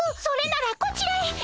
それならこちらへ！